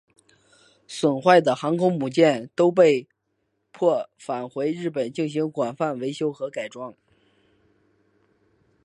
损坏的航空母舰都被迫返回日本进行广泛维修和改装。